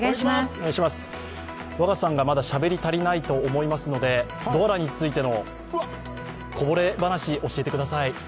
若狭さんがまだしゃべり足りないと思いますので、ドアラについてのこぼれ話、教えてください。